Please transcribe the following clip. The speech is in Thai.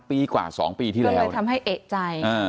ปีกว่า๒ปีที่แล้วเลยทำให้เอกใจ